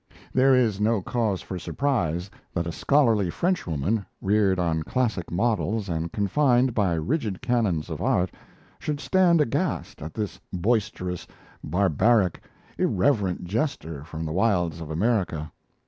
There is no cause for surprise that a scholarly Frenchwoman, reared on classic models and confined by rigid canons of art, should stand aghast at this boisterous, barbaric, irreverent jester from the wilds of America.